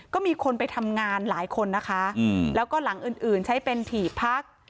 ก็มีคนไปทำงานหลายคนนะคะแล้วก็หลังอื่นอื่นใช้เป็นถี่พัก